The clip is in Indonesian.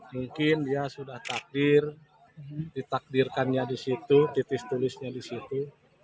mungkin dia sudah takdir ditakdirkannya di situ titis tulisnya di situ